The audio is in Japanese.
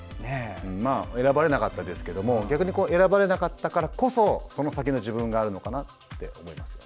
選ばれなかったですけども逆に選ばれなかったからこそその先の自分があるのかなって思いますね。